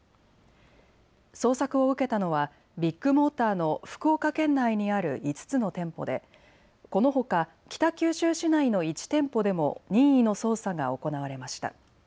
捜索を受けたのはビッグモーターの福岡県内にある５つの店舗でこのほか北九州市内の１店舗でも任意の捜査が行われました。